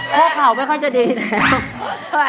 โง่เข่าไม่ค่อยจะดีนะ